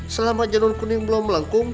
selama janun kuning belum melengkung